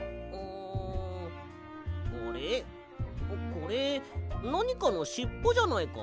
これなにかのしっぽじゃないか？